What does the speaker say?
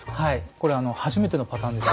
これ初めてのパターンです。